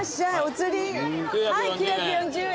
９４０円。